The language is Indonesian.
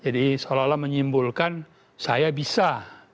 jadi seolah olah menyimpulkan saya bisa